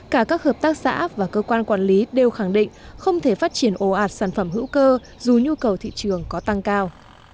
cả các hợp tác xã và cơ quan quản lý đều khẳng định không thể phát triển ồ ạt sản phẩm hữu cơ dù nhu cầu thị trường có tăng cao